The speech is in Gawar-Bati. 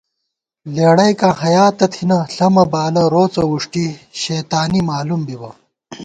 لېڑَئیکاں حیا تہ تھِمان، ݪَمہ بالہ روڅہ ووݭٹی شیتانی مالُوم بِبہ